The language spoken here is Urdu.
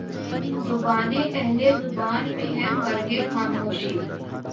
زبانِ اہلِ زباں میں ہے مرگِ خاموشی